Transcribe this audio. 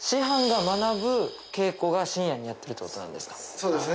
そうですね